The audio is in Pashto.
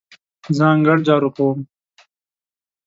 زه انګړ جارو کوم.